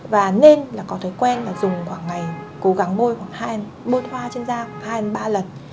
và nên là có thói quen là dùng khoảng ngày cố gắng môi khoảng hai ba lần